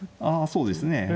あそうですね